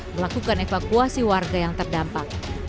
melakukan evakuasi warga yang terdampak